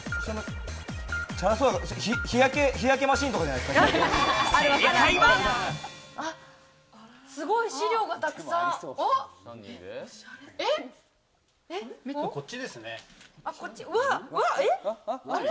日焼けマシンとかじゃないですか。